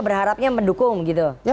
berharapnya mendukung gitu